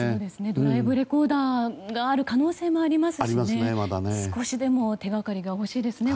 ドライブレコーダーがある可能性もありますし少しでも手掛かりが欲しいですね